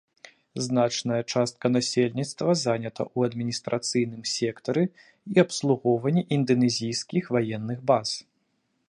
Значная частка насельніцтва занята ў адміністрацыйным сектары і абслугоўванні інданезійскіх ваенных баз.